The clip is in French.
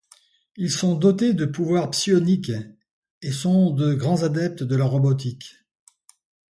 Ils sont dotés de pouvoirs psioniques et sont de grands adeptes de la robotique.